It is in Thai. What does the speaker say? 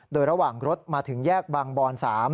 โดยระหว่างรถมาถึงแยกบางบอน๓